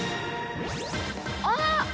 あっ！